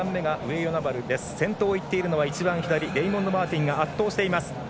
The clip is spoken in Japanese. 先頭をいっているのがレイモンド・マーティンが圧倒しています。